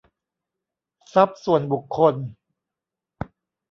ทรัพย์ส่วนบุคคล